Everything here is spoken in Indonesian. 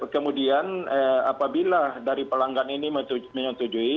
kemudian apabila dari pelanggan ini menyetujui